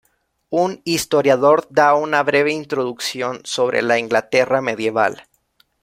Un historiador da una breve introducción sobre la Inglaterra medieval.